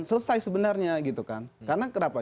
selesai sebenarnya karena